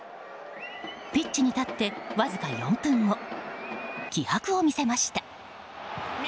ピッチに立ってわずか４分後気迫を見せました。